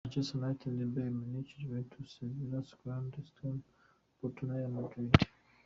Manchester United: Bayern Munich, Juventus , Sevilla , Shakhtar Donestk , Porto na Real Madrid .